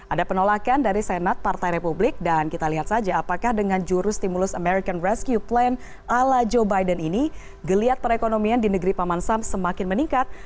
ada penolakan dari senat partai republik dan kita lihat saja apakah dengan jurus stimulus american rescue plan ala joe biden ini geliat perekonomian di negeri paman sam semakin meningkat